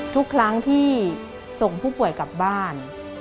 ทุกครั้งที่ส่งผู้ป่วยกลับบ้าน